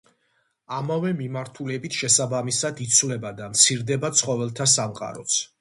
ამავე მიმართულებით შესაბამისად იცვლება და მცირდება ცხოველთა სამყაროც.